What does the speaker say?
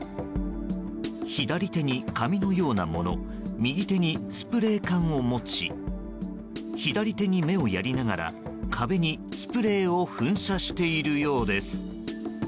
左手に紙のようなもの右手にスプレー缶を持ち左手に目をやりながら壁にスプレーを噴射しているようです。